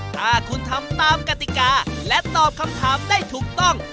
ถ้าคุณทำตามกติกาและตอบคำถามได้ถูกต้อง